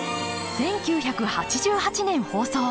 １９８８年放送。